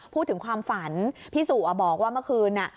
พูดถึงความฝันพี่สู่บอกว่าเมื่อคืน